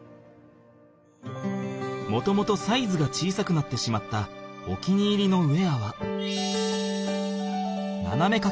もともとサイズが小さくなってしまったお気に入りのウエアはななめかけ